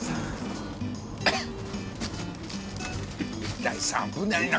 水谷さん危ないな。